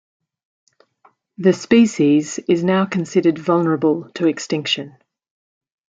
The species is now considered vulnerable to extinction.